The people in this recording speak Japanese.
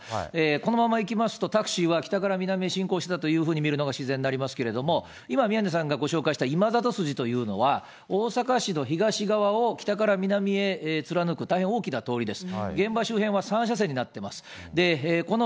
このまま行きますと、タクシーは北から南へ進行していたと見るのが自然になりますけど、今、宮根さんが言いました、筋といいますのは、大阪市の東側を北から南へ貫く大変大きな通りです。